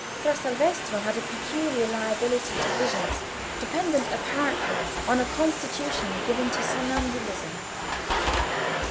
Fra Salvestro had a peculiar liability to visions, dependent apparently on a constitution given to somnambulism.